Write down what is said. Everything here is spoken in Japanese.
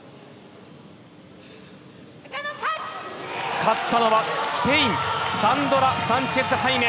勝ったのはスペインサンドラ・サンチェス・ハイメ。